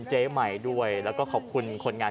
เจ๊ไหมด้วยและขอบคุณคนงาน